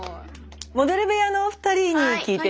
モデル部屋のお二人に聞いてみましょう。